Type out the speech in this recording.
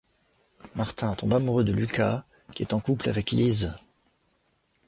Martin tombe amoureux de Lucas, qui est en couple avec Lise.